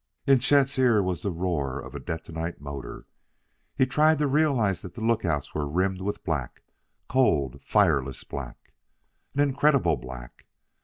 In Chet's ears was the roar of a detonite motor. He tried to realize that the lookouts were rimmed with black cold, fireless black! An incredible black!